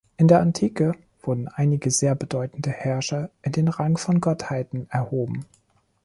In der Antike wurden einige sehr bedeutende Herrscher in den Rang von Gottheiten erhoben.